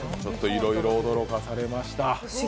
いろいろ驚かされました。